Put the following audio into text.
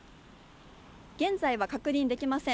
現在は確認できません。